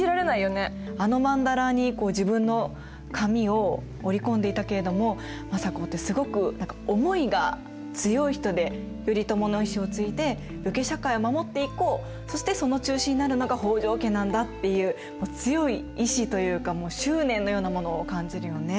あのまんだらに自分の髪を織り込んでいたけれども政子ってすごく何か思いが強い人で頼朝の遺志を継いで武家社会を守っていこうそしてその中心になるのが北条家なんだっていう強い意志というかもう執念のようなものを感じるよね。